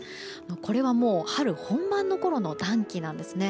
これはもう春本番のころの暖気なんですね。